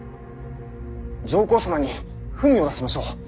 上皇様に文を出しましょう。